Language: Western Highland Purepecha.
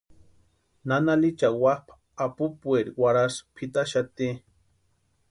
Nana Licha wapʼa apupueri warhasï pʼitaxati.